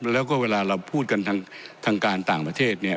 แล้วก็เวลาเราพูดกันทางการต่างประเทศเนี่ย